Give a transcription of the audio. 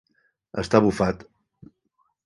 Està bufat.